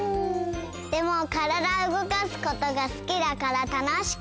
でもからだうごかすことがすきだからたのしかった！